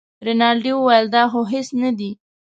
رینالډي وویل دا خو هېڅ نه دي.